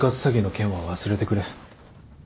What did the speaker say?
詐欺の件は忘れてくれ。